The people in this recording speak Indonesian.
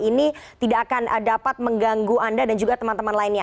ini tidak akan dapat mengganggu anda dan juga teman teman lainnya